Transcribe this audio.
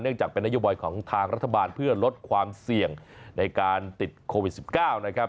จากเป็นนโยบายของทางรัฐบาลเพื่อลดความเสี่ยงในการติดโควิด๑๙นะครับ